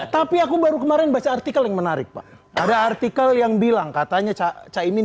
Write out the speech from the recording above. tapi aku baru kemarin baca artikel yang menarik pak ada artikel yang bilang katanya cak caimin